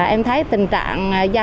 em thấy tình trạng